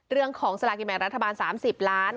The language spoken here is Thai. เรื่องของสลากินแบ่งรัฐบาล๓๐ล้าน